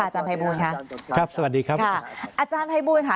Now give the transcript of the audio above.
อาจารย์ภัยบุญค่ะครับสวัสดีครับอาจารย์ภัยบุญค่ะ